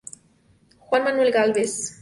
Juan Manuel Gálvez.